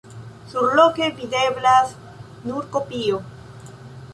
Surloke videblas nur kopio.